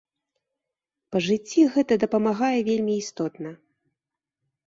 Па жыцці гэта дапамагае вельмі істотна.